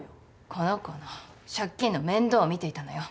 この子の借金の面倒を見ていたのよ。